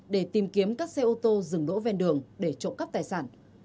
để tìm kiếm các xe ô tô dừng đỗ ven đường để trộm cắp tài sản